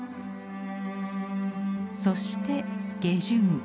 そして下旬。